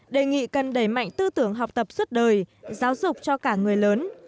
đề nghị cần đẩy mạnh tư tưởng học tập suốt đời giáo dục cho cả người lớn